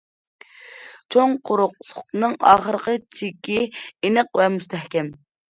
چوڭ قۇرۇقلۇقنىڭ ئاخىرقى چېكى ئېنىق ۋە مۇستەھكەم.